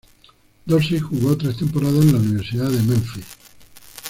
Dorsey jugó tres temporadas en la Universidad de Memphis.